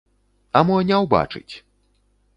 А мо не ўбачыць!